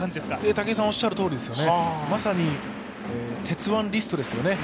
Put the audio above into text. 武井さんおっしゃるとおりですね、まさに鉄腕リストですよね